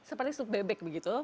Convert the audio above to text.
seperti sup bebek